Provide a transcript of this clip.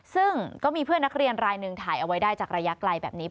ซึ่งก็มีเพื่อนนักเรียนรายหนึ่งถ่ายเอาไว้ได้จากระยะไกลแบบนี้